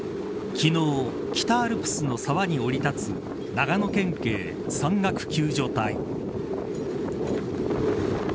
昨日、北アルプスの沢に下り立つ長野県警山岳救助隊。